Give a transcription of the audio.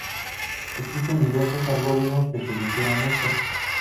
Existen diversos algoritmos que solucionan esto.